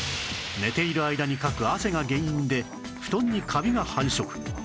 寝ている間にかく汗が原因で布団にカビが繁殖